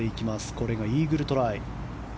これがイーグルトライ。